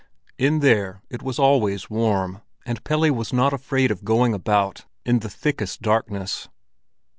In there it was always warm, and Pelle was not afraid of going about in the thickest darkness.